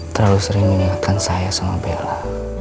terlalu sering mengingatkan saya sama bella